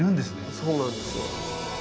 そうなんですよ。